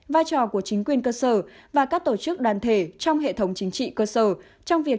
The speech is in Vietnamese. vai trò của chính quyền cơ sở và các tổ chức đoàn thể trong hệ thống chính trị cơ sở trong việc